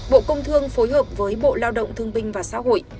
bộ công thương phối hợp với bộ lao động thương binh và xã hội